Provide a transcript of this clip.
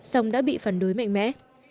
xong đã bị phản đối mạnh mẽ